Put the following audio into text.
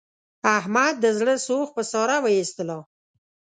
احمد د زړه سوخت په ساره و ایستلا.